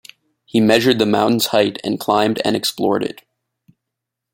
He measured the mountain's height and climbed and explored it.